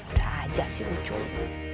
udah aja sih ucuy